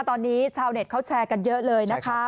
ตอนนี้ชาวเน็ตเขาแชร์กันเยอะเลยนะคะ